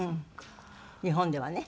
日本ではね。